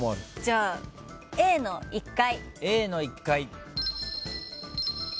じゃあＡの１階。